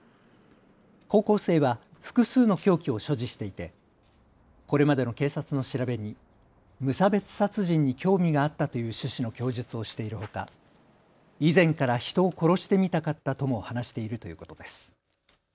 高校生は複数の凶器を所持していてこれまでの警察の調べに無差別殺人に興味があったという趣旨の供述をしているほか以前から人を殺してみたかったとも話しているということです。